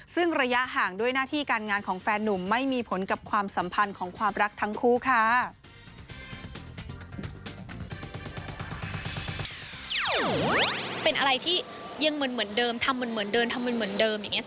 คอยดูแลเทคแคร์เอาใจใสอยู่เหมือนเดิม